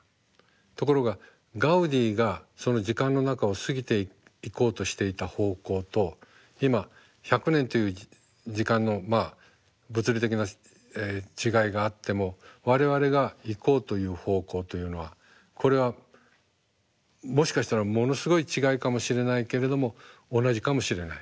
ところがガウディがその時間の中を過ぎていこうとしていた方向と今１００年という時間のまあ物理的な違いがあっても我々が行こうという方向というのはこれはもしかしたらものすごい違いかもしれないけれども同じかもしれない。